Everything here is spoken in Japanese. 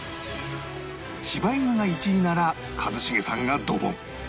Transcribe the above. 柴犬が１位なら一茂さんがドボン